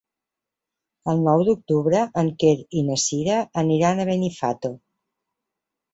El nou d'octubre en Quer i na Sira aniran a Benifato.